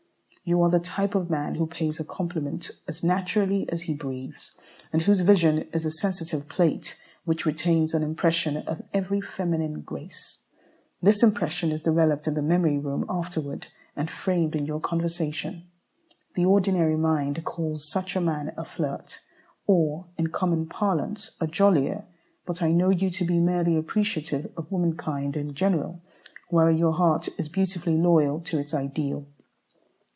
You are the type of man who pays a compliment as naturally as he breathes, and whose vision is a sensitive plate which retains an impression of every feminine grace. This impression is developed in the memory room afterward, and framed in your conversation. The ordinary mind calls such a man a flirt, or, in common parlance, "a jollier;" but I know you to be merely appreciative of womankind in general, while your heart is beautifully loyal to its ideal.